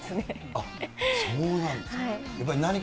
あっ、そうなんですか。